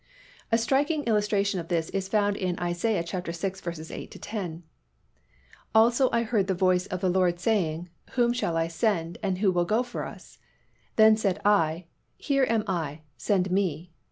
_ A striking illustration of this is found in Isa. vi. 8 10, "Also I heard the voice of the Lord, saying, Whom shall I send, and who will go for us? Then said I, Here am I; send me.